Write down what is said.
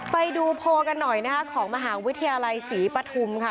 ไปดูโพลกันหน่อยนะคะของมหาวิทยาลัยศรีปฐุมค่ะ